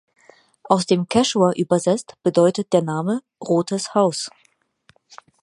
Aus dem Quechua übersetzt bedeutet der Name „Rotes Haus“.